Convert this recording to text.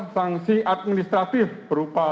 sanksi administratif berupa